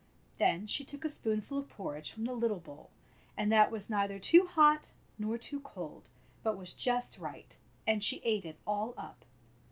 Then she took a spoonful of porridge from the little bowl, and that was neither too hot nor too cold, but was just right, and she ate it all up.